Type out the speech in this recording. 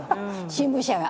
新聞社が。